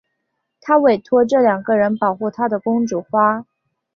她委托这两个人保护她的公主花。